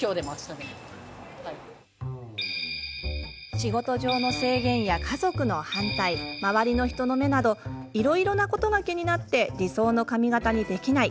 仕事上の制限や家族の反対周りの人の目などいろいろなことが気になって理想の髪形にできない。